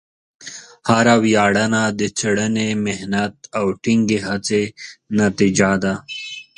هره ویاړنه د څېړنې، محنت، او ټینګې هڅې نتیجه ده.